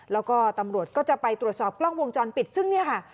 แล้วก็ตำรวจก็จะไปตรวจสอบกล้องวงจรปิดซึ่งเนี่ยค่ะ